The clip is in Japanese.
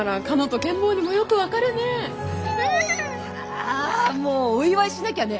ああもうお祝いしなきゃね。